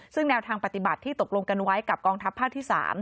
ซึ่งแนวทางปฏิบัติที่ตกลงกันไว้กับกองทัพภาคที่๓